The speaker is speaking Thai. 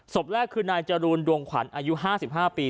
ศพแรกคือนายจรูนดวงขวัญอายุ๕๕ปี